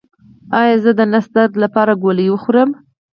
ایا زه د نس درد لپاره ګولۍ وخورم؟